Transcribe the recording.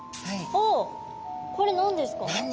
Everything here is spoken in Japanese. おっこれ何ですか？